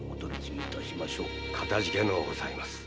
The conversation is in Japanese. かたじけのうございます。